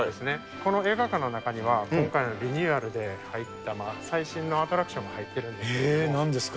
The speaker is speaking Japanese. この映画館の中には、今回のリニューアルで入った最新のアトラクションが入ってるんでなんですか。